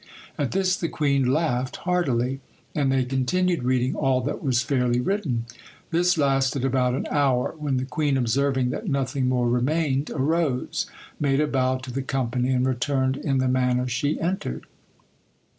At this the queen laughed heartily; and they continued reading all that was fairly written. This lasted about an hour, when the queen observing that nothing more remained, arose, made a bow to the company, and returned in the manner she entered.